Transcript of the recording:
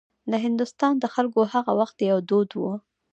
د هندوستان د خلکو هغه وخت یو دود و.